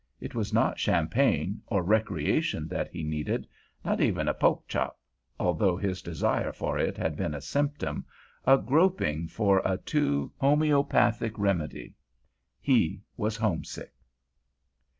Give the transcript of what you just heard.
It was not champagne or recreation that he needed, not even a "po'k chop," although his desire for it had been a symptom, a groping for a too homeopathic remedy: he was homesick.